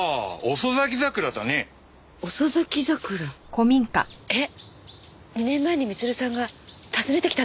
遅咲き桜？えっ？２年前に光留さんが訪ねてきたんですか？